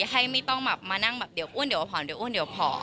ให้ไม่ต้องแบบมานั่งเดี๋ยวอ้วนเดี๋ยวผ่อนเดี๋ยวอ้วนพอ